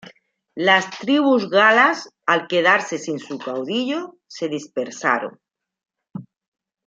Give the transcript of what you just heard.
Las tribus galas, al quedarse sin su caudillo, se dispersaron.